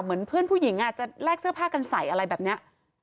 เหมือนเพื่อนผู้หญิงจะแลกเสื้อผ้ากันใส่อะไรแบบนี้